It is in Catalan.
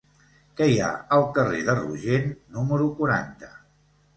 Què hi ha al carrer de Rogent número quaranta?